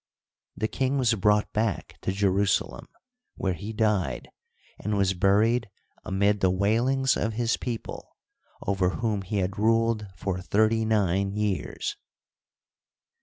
The king was brought back to Jerusalem, where he died and was buried amid the wailings of his people, over whom he had ruled for thirty nine years.